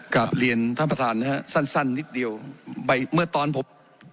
กลับเรียนท่านประธานนะฮะสั้นสั้นนิดเดียวไปเมื่อตอนผม